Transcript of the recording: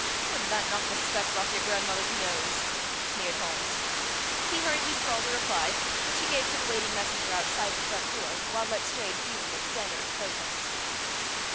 "Wouldn't that knock the specs off your grandmother's nose?" sneered Holmes. He hurriedly scrawled a reply, which he gave to the waiting messenger outside the front door, while Letstrayed fumed and stammered in protest.